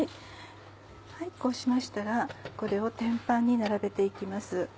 こうしましたらこれを天板に並べて行きます。